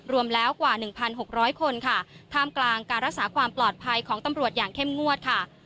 รวมแล้วกว่า๑๖๐๐คนค่ะท่ามกลางการรักษาความปลอดภัยของตำรวจอย่างเข้มงวดค่ะ